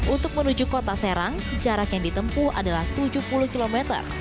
untuk menuju kota serang jarak yang ditempuh adalah tujuh puluh km